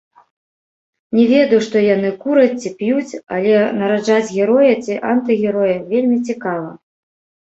Не ведаю, што яны кураць ці п'юць, але нараджаць героя ці антыгероя вельмі цікава.